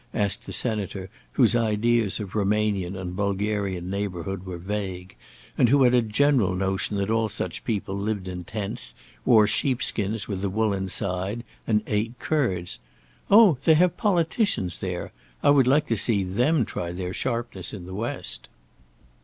asked the Senator, whose ideas of the Roumanian and Bulgarian neighbourhood were vague, and who had a general notion that all such people lived in tents, wore sheepskins with the wool inside, and ate curds: "Oh, they have politicians there! I would like to see them try their sharpness in the west."